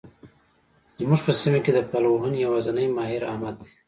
زموږ په سیمه کې د پلوهنې يوازنی ماهر؛ احمد دی.